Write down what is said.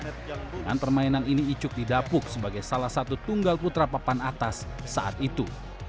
dengan permainan ini icuk didapuk sebagai salah satu tunggal putra papan atas saat itu